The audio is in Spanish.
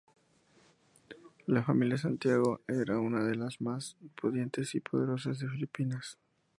La familia Santiago era una de las más pudientes y poderosas de Filipinas.